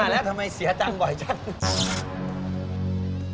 แล้วทำไมเสียตังค์บ่อยจัง